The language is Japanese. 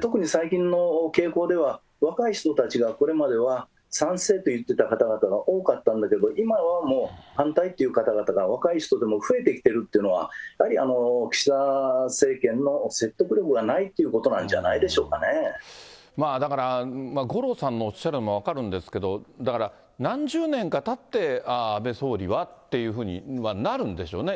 特に最近の傾向では、若い人たちがこれまでは、賛成といってた方々が多かったんだけれども、今はもう反対という方々が若い人でも増えていってるというのは、やはり岸田政権の説得力がないということなんじゃないでしょうかだから五郎さんがおっしゃるのも分かるんですけれども、だから、何十年かたって、ああ、安倍総理はってなるんでしょうね。